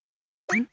うん？